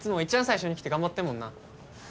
最初に来て頑張ってんもんな。